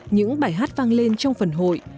những bài hát vang lên trong phần hội